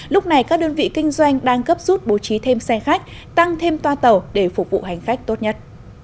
lúc này các đơn vị kinh doanh đang cấp rút bố trí thêm xe khách tăng thêm toa tàu để phục vụ hành khách tốt nhất